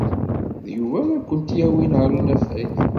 D Yuba ara kent-yawin ɣer unafag.